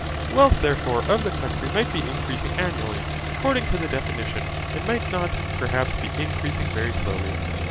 The wealth therefore of the country would be increasing annually, according to the definition, and might not, perhaps, be increasing very slowly.